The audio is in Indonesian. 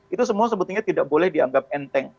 itu semua sebetulnya tidak boleh dianggap enteng